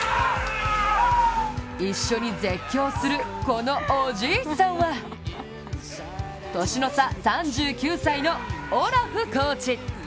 一緒に絶叫するこのおじいさんは年の差３９歳のオラフコーチ。